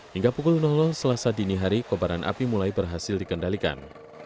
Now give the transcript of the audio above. hingga pukul selasa dini hari kobaran api mulai berhasil dikendalikan